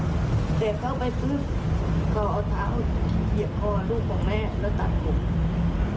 แต่เข้าไปปุ๊บก็เอาเท้าเหยียบคอลูกของแม่แล้วตัดผม